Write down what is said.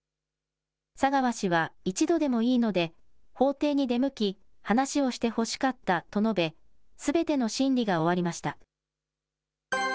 佐川氏は一度でもいいので法廷に出向き、話をしてほしかったと述べ、すべての審理が終わりました。